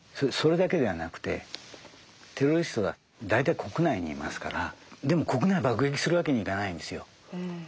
それだけではなくてテロリストは大体国内にいますからでも国内を爆撃するわけにいかないんですよ。